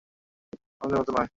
কিন্তু তারা অন্যদের মতো নয়।